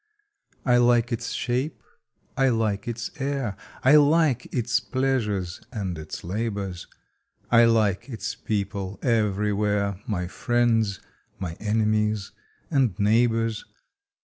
I like its shape, I like its air; I like its pleasures and its labors. I like its people everywhere my friends, my enemies and neighbors.